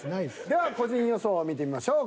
では個人予想を見てみましょう。